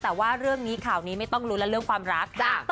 แต่ว่าเรื่องนี้ข่าวนี้ไม่ต้องรู้แล้วเรื่องความรักค่ะ